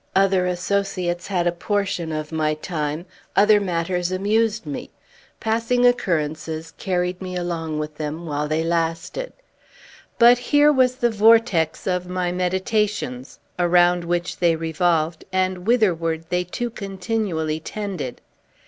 Other associates had a portion of my time; other matters amused me; passing occurrences carried me along with them, while they lasted. But here was the vortex of my meditations, around which they revolved, and whitherward they too continually tended.